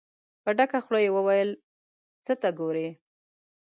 په ډکه خوله يې وويل: څه ته ګورئ؟